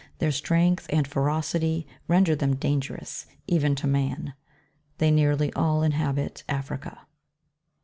Their strength and ferocity render them dangerous, even to man. They nearly all inhabit Africa.